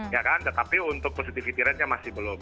ya kan tetapi untuk positivity ratenya masih belum